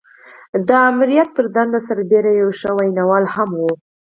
د آمريت پر دنده سربېره يو ښه ويناوال هم و.